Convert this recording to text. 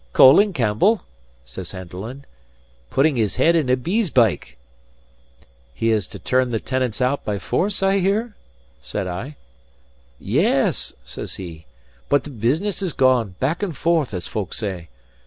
"Colin Campbell?" says Henderland. "Putting his head in a bees' byke!" "He is to turn the tenants out by force, I hear?" said I. "Yes," says he, "but the business has gone back and forth, as folk say.